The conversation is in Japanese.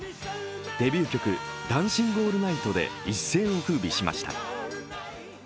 デビュー曲「ダンシング・オールナイト」で一世をふうびしました。